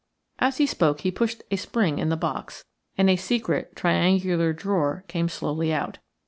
As he spoke he pushed a spring in the box, and a secret triangular drawer came slowly out.